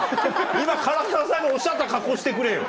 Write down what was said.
今唐沢さんのおっしゃった格好してくれよ。